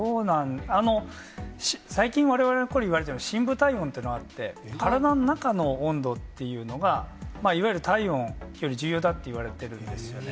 最近われわれは、しんぶ体温っていうのがあって、体の中の温度というのが、いわゆる体温より重要だって言われてるんですよね。